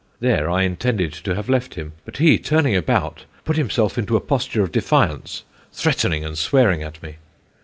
There I intended to have left him; but he, turning about, put himself into a posture of defiance, threatening and swearing at me.